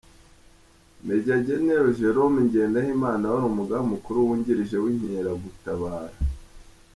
-Maj. Gen. Jérôme Ngendahimana wari Umugaba Mukuru Wungirije w’Inkeragutabara,